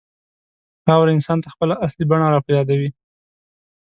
خاوره انسان ته خپله اصلي بڼه راپه یادوي.